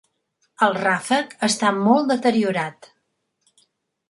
El ràfec està molt deteriorat.